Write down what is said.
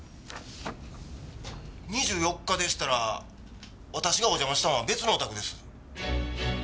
２４日でしたら私がお邪魔したのは別のお宅です。